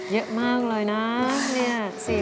เยอะมากเลยนะเนี่ย